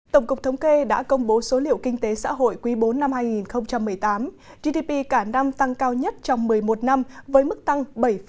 tổng cục thống kê đã công bố số liệu kinh tế xã hội quý bốn năm hai nghìn một mươi tám gdp cả năm tăng cao nhất trong một mươi một năm với mức tăng bảy tám